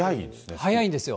速いんですよ。